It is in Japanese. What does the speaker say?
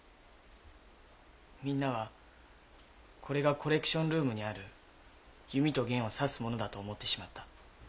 みんなはこれがコレクションルームにある弓と弦を指すものだと思ってしまった。